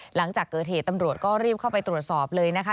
หลังจากเกิดเหตุตำรวจก็รีบเข้าไปตรวจสอบเลยนะคะ